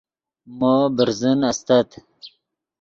مو برزن استت